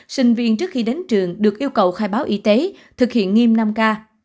sinh viên trước khi đến trường được yêu cầu khai báo y tế thực hiện nghiêm năm k